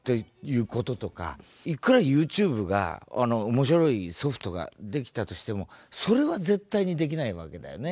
いくらＹｏｕＴｕｂｅが面白いソフトができたとしてもそれは絶対にできないわけだよね。